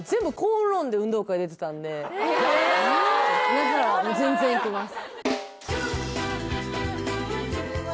だから全然いけます